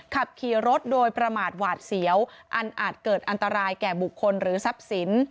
ขับขี่รถโดยประมาทหวาดเสียวอันอาจเกิดอันตรายแก่บุคคลหรือทรัพย์สิน